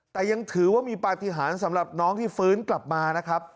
แต่ยังถือว่ามีปฏิหารสำหรับน้องที่ฟื้นกลับมานะครับ